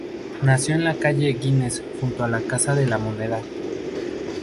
Nació en la calle Güines junto a la Casa de la Moneda.